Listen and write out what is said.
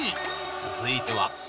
続いては。